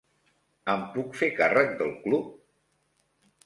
Em puc fer càrrec del club?